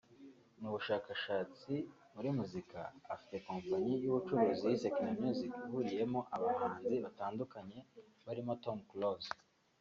ni ubushabitsi muri muzika afite kompanyi y’ubucuruzi yise Kina Music ihuriyemo abahanzi batandukanye barimo Tom Close